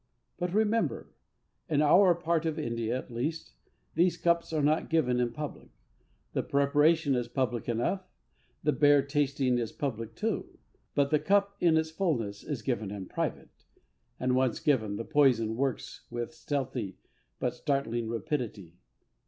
But remember, in our part of India at least, these cups are not given in public. The preparation is public enough, the bare tasting is public too; but the cup in its fulness is given in private, and once given, the poison works with stealthy but startling rapidity.